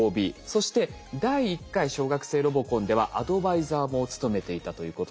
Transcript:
そして第１回小学生ロボコンではアドバイザーも務めていたということで。